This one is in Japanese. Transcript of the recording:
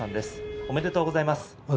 おめでとうございます。